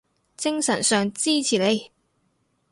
精神上支持你